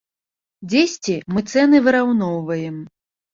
Дзесьці мы цэны выраўноўваем.